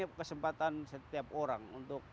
dan ini kesempatan setiap orang